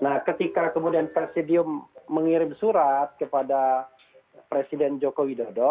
nah ketika kemudian presidium mengirim surat kepada presiden joko widodo